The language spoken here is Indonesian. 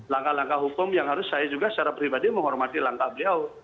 langkah langkah hukum yang harus saya juga secara pribadi menghormati langkah beliau